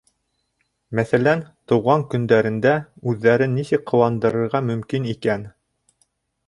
Мәҫәлән, тыуған көндәрендә үҙҙәрен нисек ҡыуандырырға мөмкин икән?